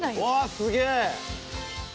すげえ！